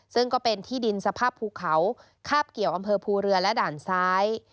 ซึ่งก็เป็นที่ดินสภาพภูเขาคาบเกี่ยวอำเภอภูเรือและด่านซ้าย